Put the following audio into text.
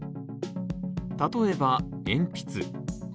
例えば、鉛筆。